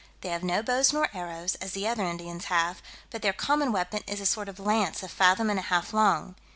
They have no bows nor arrows, as the other Indians have, but their common weapon is a sort of lance a fathom and a half long.